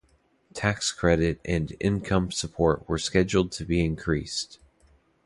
Tax credits and income support were scheduled to be increased.